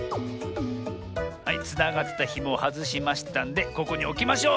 はいつながったひもをはずしましたんでここにおきましょう！